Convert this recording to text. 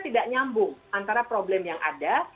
tidak nyambung antara problem yang ada